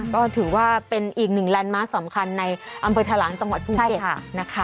ก็ถือว่าเป็นอีกหนึ่งแลนด์มาร์คสำคัญในอำเภอทะลางจังหวัดภูเก็ตนะคะ